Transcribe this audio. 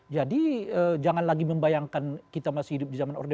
jadi jangan lagi membayangkan kita masih hidup di zaman orang tua